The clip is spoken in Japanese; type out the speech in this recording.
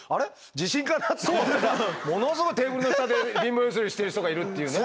地震かな！？」って思ったらものすごいテーブルの下で貧乏ゆすりしてる人がいるっていうね。